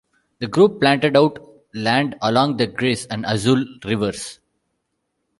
The group planted out land along the Gris and Azul rivers.